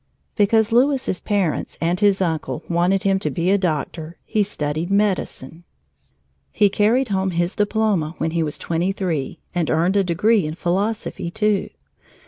Because Louis's parents and his uncle wanted him to be a doctor, he studied medicine. He carried home his diploma when he was twenty three and earned a degree in philosophy, too.